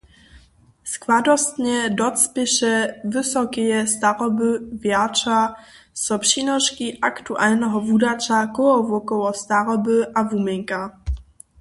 Składnostnje docpěća wysokeje staroby wjerća so přinoški aktualneho wudaća kołowokoło staroby a wuměnka.